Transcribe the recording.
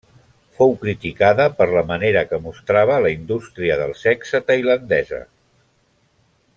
Fou criticada per la manera que mostrava la indústria del sexe tailandesa.